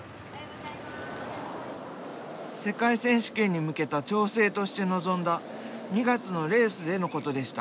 世界選手権に向けた調整として臨んだ２月のレースでのことでした。